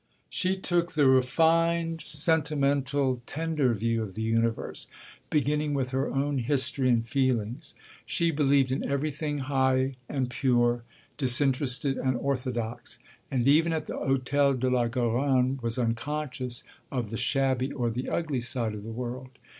She took the refined, sentimental, tender view of the universe, beginning with her own history and feelings. She believed in everything high and pure, disinterested and orthodox, and even at the Hôtel de la Garonne was unconscious of the shabby or the ugly side of the world.